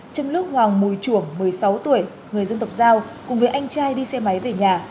trong lúc hoàng mùi chuồng một mươi sáu tuổi người dân tộc giao cùng với anh trai đi xe máy về nhà